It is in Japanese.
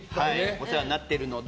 お世話になっているので。